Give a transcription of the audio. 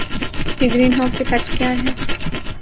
کہ greenhouse effect کیا ہے